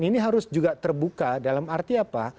ini harus juga terbuka dalam arti apa